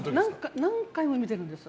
何回も見てるんですよ。